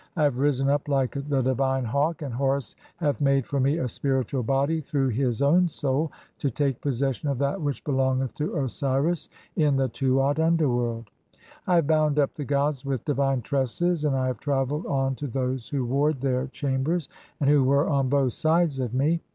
I have risen up like the divine hawk, "and Horus hath made for me a spiritual body, through his "own soul, to take possession of that which belongeth to Osiris "(40) in the Tuat (underworld). I have bound up the gods with "divine tresses, and I have travelled on to those who ward their "Chambers, and who were on both sides of me.